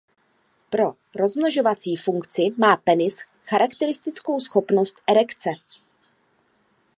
Pro rozmnožovací funkci má penis charakteristickou schopnost erekce.